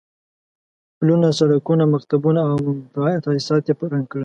پلونه، سړکونه، مکتبونه او عام المنفعه تاسيسات يې ړنګ کړل.